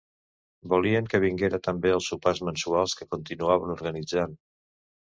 Volien que vinguera també als sopars mensuals que continuaven organitzant.